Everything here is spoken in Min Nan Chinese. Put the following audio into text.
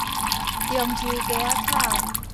中洲街仔口